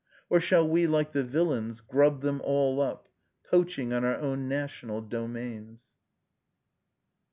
or shall we, like the villains, grub them all up, poaching on our own national domains?